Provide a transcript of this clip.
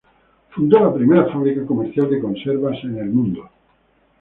Fundó la primera fábrica comercial de conservas en el mundo.